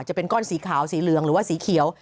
จะเป็นก้อนสีขาวสีเหลืองหรือว่าสีเขียว